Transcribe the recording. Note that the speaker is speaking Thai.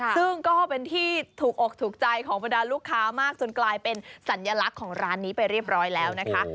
ซึ่งก็เป็นที่ถูกอกถูกใจของบรรดาลูกค้ามากจนกลายเป็นสัญลักษณ์ของร้านนี้ไปเรียบร้อยแล้วนะคะ